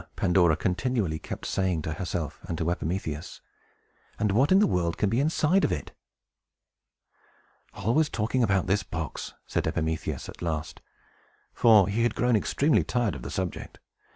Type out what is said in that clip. Pandora continually kept saying to herself and to Epimetheus. "And what in the world can be inside of it?" "Always talking about this box!" said Epimetheus, at last; for he had grown extremely tired of the subject.